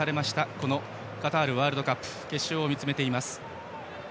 このカタールワールドカップの決勝を見つめています。